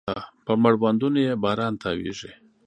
پر مړوندونو يې باران تاویږې